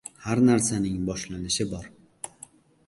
• Har narsaning boshlanishi bor.